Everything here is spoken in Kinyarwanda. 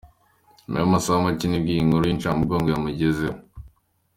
Nyuma y’amasaha make nibwo iyi nkuru y’incamugongo yamugezeho.